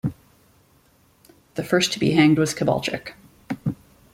The first to be hanged was Kibalchich.